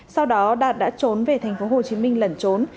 sau đó đạt đã trốn về thành phố hồ chí minh lẩn trốn